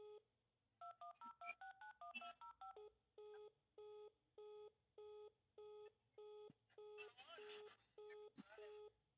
Ndizi ni Chakula kikuu cha Wanyambo katika Historia ya kabila hili